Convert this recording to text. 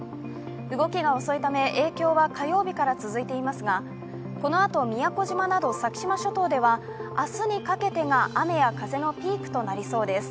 動きが遅いため影響は火曜日から続いていますが、このあと宮古島など先島諸島では明日にかけてが雨や風のピークとなりそうです。